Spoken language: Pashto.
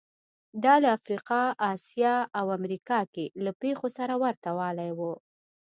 دا له افریقا، اسیا او امریکا کې له پېښو سره ورته والی و